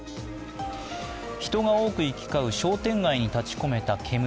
人が多く行き交う商店街に立ち込めた煙。